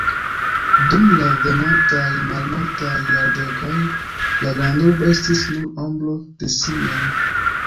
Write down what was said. Dum la venontaj malmultaj jardekoj la grandurbo estis nur ombro de si mem.